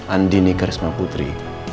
andini karisma putri